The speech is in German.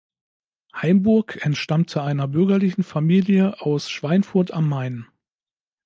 Heimburg entstammte einer bürgerlichen Familie aus Schweinfurt am Main.